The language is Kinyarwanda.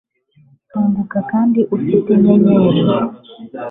Kanguka kandi ufite inyenyeri